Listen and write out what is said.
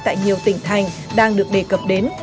tại nhiều tỉnh thành đang được đề cập đến